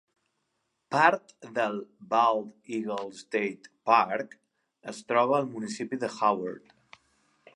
Part del Bald Eagle State Park es troba al municipi de Howard.